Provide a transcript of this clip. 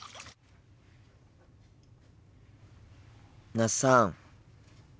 那須さん。